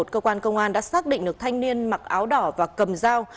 cơ quan công an đã xác định được thanh niên mặc áo đỏ và cầm dao